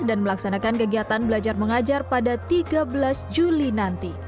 dan melaksanakan kegiatan belajar mengajar pada tiga belas juli nanti